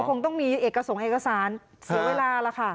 คงต้องมีเอกสงค์เอกสารเสียเวลาแล้วค่ะ